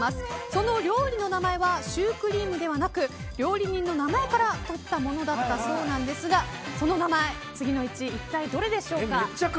その料理の名前はシュークリームではなく料理人の名前から取ったものだったそうなんですがその名前、次のうち一体どれでしょうか？